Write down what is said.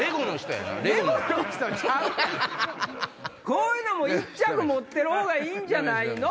こういうの１着持ってるほうがいいんじゃないの？